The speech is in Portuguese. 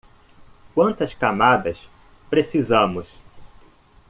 Quantas camadas precisamos?